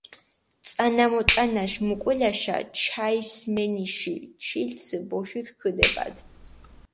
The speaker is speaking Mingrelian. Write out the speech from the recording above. წანამოწანაშ მუკულაშა ჩაისმენიში ჩილცჷ ბოშიქ ქჷდებადჷ.